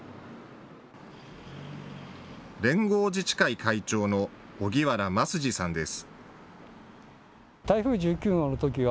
連合自治会会長の荻原益寿さんです。